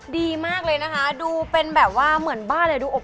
ดีมากเลยนะคะดูเป็นแบบว่าเอาเป็นบ้านเหมือนแฟนถูกต้อง